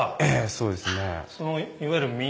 そうですね。